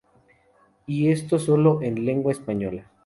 Y esto sólo en lengua española.